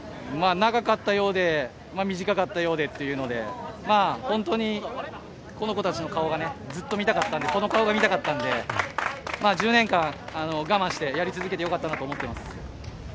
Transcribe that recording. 長かったようで短かったようで、本当にこの子たちの顔がずっと見たかったので、１０年間、我慢してやり続けてよかったと思っています。